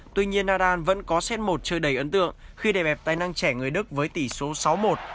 tuy nhiên nadal vẫn có set một chơi đầy ấn tượng khi đề bẹp tài năng trẻ người đức với tỷ số sáu một